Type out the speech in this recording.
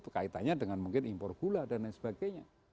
kaitannya dengan mungkin impor gula dan lain sebagainya